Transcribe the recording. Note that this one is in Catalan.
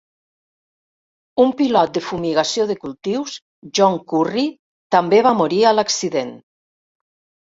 Un pilot de fumigació de cultius, John Curry, també va morir a l'accident.